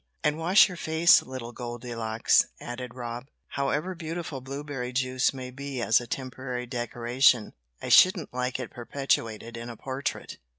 "And wash your face, little Goldilocks," added Rob. "However beautiful blueberry juice may be as a temporary decoration, I shouldn't like it perpetuated in a portrait."